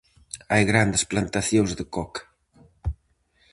Hai grandes plantacións de coca.